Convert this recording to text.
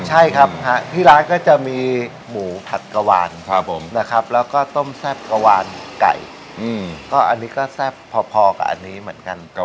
ใช่ครับที่ร้านก็จะมีหมูผัดกะวานนะครับแล้วก็ต้มแซ่บกะวานไก่ก็อันนี้ก็แซ่บพอกับอันนี้เหมือนกัน